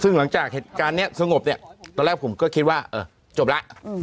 ซึ่งหลังจากเหตุการณ์นี้สงบเนี่ยตอนแรกผมก็คิดว่าจบแล้ว